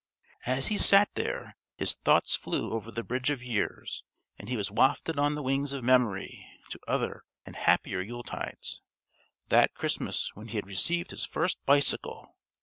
_) As he sat there, his thoughts flew over the bridge of years, and he was wafted on the wings of memory to other and happier Yuletides. That Christmas when he had received his first bicycle....